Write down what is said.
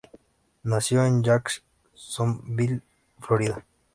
Nació en Jacksonville, Florida.